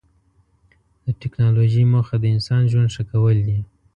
د ټکنالوجۍ موخه د انسان ژوند ښه کول دي.